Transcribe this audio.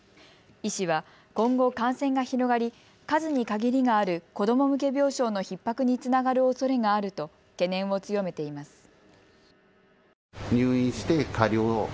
医師は今後、感染が広がり数に限りがある子ども向け病床のひっ迫につながるおそれがあると懸念を強めています。